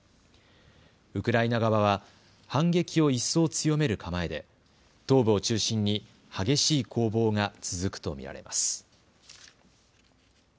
ウクライナ側は反撃を一層強める構えで東部を中心に激しい攻防が続くと見られます。